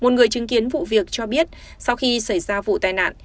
một người chứng kiến vụ việc cho biết sau khi xảy ra vụ tai nạn